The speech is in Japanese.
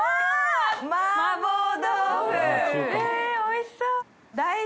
えぇおいしそう。